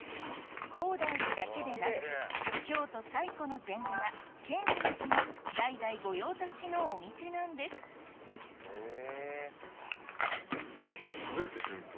高台寺だけでなく京都最古の禅寺建仁寺も代々御用達のお店なんですへぇ。